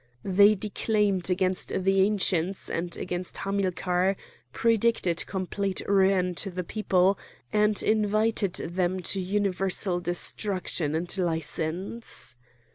They declaimed against the Ancients and against Hamilcar, predicted complete ruin to the people, and invited them to universal destruction and license.